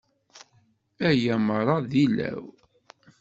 Aya merra d ilaw?